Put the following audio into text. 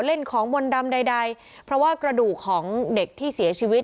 เล่นของมนต์ดำใดใดเพราะว่ากระดูกของเด็กที่เสียชีวิต